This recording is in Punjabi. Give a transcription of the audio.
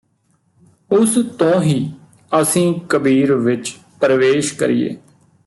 ਉਸਤੋਂ ਹੀ ਅਸੀ ਕਬੀਰ ਵਿੱਚ ਪ੍ਰਵੇਸ਼ ਕਰੀਏ